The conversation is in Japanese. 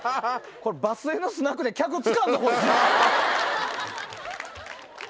場末のスナックで客つかんぞこいつ！